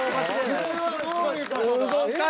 これはどういう事だ？